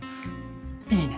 いいね。